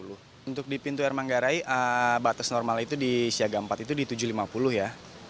untuk di pintu air manggarai batas normal itu di siaga empat itu di tujuh ratus lima puluh ya